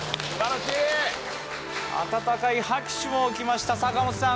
温かい拍手も起きました坂本さん